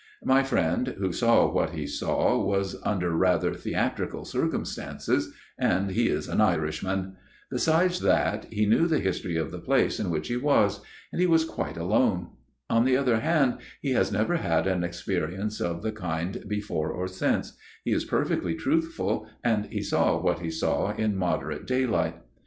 My friend who saw what he saw was under rather theatrical circumstances, and he is an Irishman. Besides that, he knew the history of the place in which he was ; and he was quite alone. On the other hand, he has never had an experience of the kind before or since ; he is perfectly truthful, and he saw what he saw in moderate daylight.